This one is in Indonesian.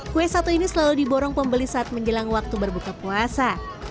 kue satu ini selalu diborong pembeli saat menjelang waktu berbuka puasa